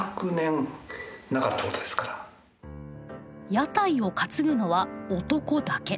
屋台を担ぐのは男だけ。